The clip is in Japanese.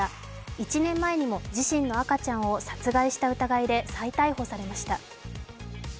１年前にも自身の赤ちゃんを殺害した疑いで再逮捕されました。